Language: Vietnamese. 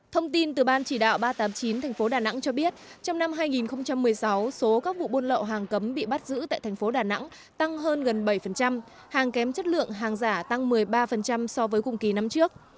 thông tin từ ban chỉ đạo ba trăm tám mươi chín tp đà nẵng cho biết trong năm hai nghìn một mươi sáu số các vụ buôn lậu hàng cấm bị bắt giữ tại thành phố đà nẵng tăng hơn gần bảy hàng kém chất lượng hàng giả tăng một mươi ba so với cùng kỳ năm trước